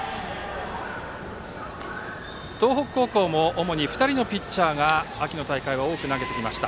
東北高校も主に２人のピッチャーが秋の大会は多く投げてきました。